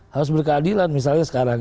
harus berkeadilan misalnya sekarang